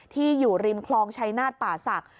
ที่อยู่ริมคลองชัยนาฏป่าศักดิ